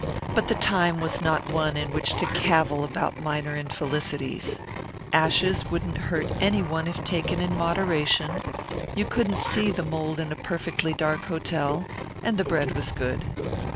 But the time was not one in which to cavil about minor infelicities. Ashes wouldn't hurt any one if taken in moderation; you couldn't see the mould in a perfectly dark hotel; and the bread was good.